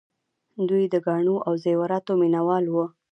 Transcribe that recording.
دوی د ګاڼو او زیوراتو مینه وال وو